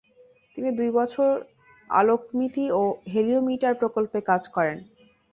তিনি দুই বছর আলোকমিতি ও হেলিওমিটার প্রকল্পে কাজ করেন।